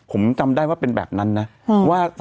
ผมจำได้ว่าเป็นแบบนั้นนะว่า